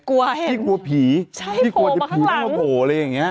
พี่กลัวผีพี่กลัวจะผีมาข้างหลัง